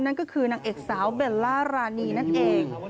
นั่นก็คือนางเอกสาวเบลล่ารานีนั่นเอง